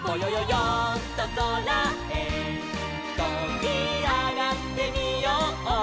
よんとそらへとびあがってみよう」